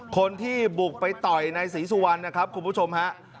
คนที่บุกไปต่อยนายศรีสุวรรณนะครับคุณผู้ชมฮะ